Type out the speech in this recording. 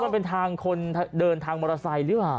มันเป็นทางคนเดินทางมอเตอร์ไซค์หรือเปล่า